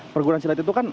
perguruan silat itu kan